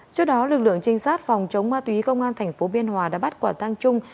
trước đó lực lượng trinh sát phòng chống ma túy công an tp biên hòa đã bắt quả tang trung